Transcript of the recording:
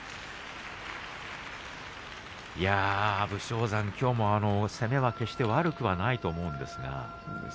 武将山、きょうは攻めは決して悪くないと思うんですが。